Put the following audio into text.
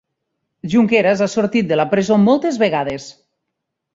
Junqueras ha sortit de la presó moltes vegades